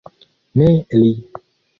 Ne li.